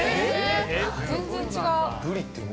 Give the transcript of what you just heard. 全然違う。